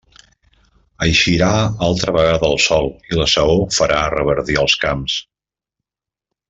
Eixirà altra vegada el sol i la saó farà reverdir els camps.